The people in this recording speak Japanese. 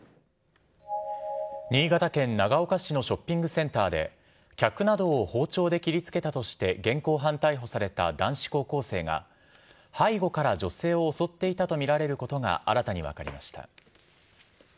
新潟県長岡市のショッピングセンターで、客などを包丁で切りつけたとして現行犯逮捕された男子高校生が、背後から女性を襲っていたと見られることが新たに分かりました。